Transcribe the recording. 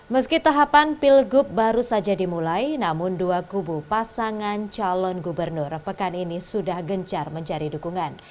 meski tahapan pilgub baru saja dimulai namun dua kubu pasangan calon gubernur pekan ini sudah gencar mencari dukungan